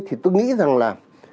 thì tôi nghĩ rằng là